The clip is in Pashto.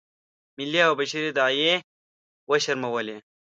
ملي او بشري داعیې یې وشرمولې.